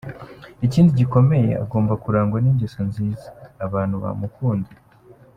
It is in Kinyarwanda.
Ikindi gikomeye, agomba kurangwa n’ingeso nziza, abantu bamukunda.